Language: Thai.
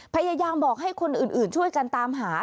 พยายามบอกให้คนอื่นช่วยกันตามหา